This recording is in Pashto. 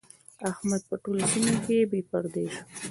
احمد په ټوله سيمه کې بې پردې شو.